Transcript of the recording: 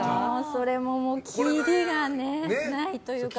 それもキリがないというか。